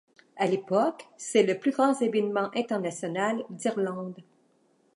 À l'époque, c'est le plus grand événement international d'Irlande.